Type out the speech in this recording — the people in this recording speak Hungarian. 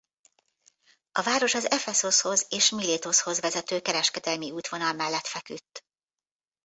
A város az Epheszoszhoz és Milétoszhoz vezető kereskedelmi útvonal mellett feküdt.